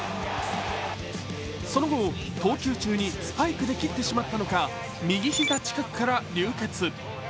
その後、投球中にスパイクで切ってしまったのか右膝近くから流血。